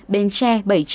bến tre bảy mươi chín